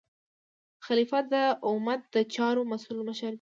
خلیفه د امت د چارو مسؤل مشر دی.